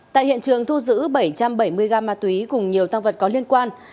tại hiện trường thu giữ bảy trăm bảy mươi gram ma túy cùng nhiều tăng vật có liên quan